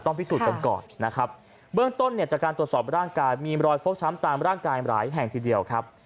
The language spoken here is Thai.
พิสูจน์กันก่อนนะครับเบื้องต้นเนี่ยจากการตรวจสอบร่างกายมีรอยฟกช้ำตามร่างกายหลายแห่งทีเดียวครับ